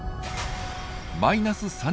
マイナス３０